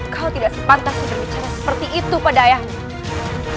kau tidak sepantas untuk bicara seperti itu pada ayahmu